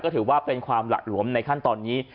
ถือว่าเป็นความหละหลวมในขั้นตอนนี้